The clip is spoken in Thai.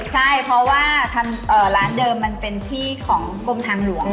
ใช่เพราะว่าร้านเดิมมันเป็นที่ของกรมทางหลวง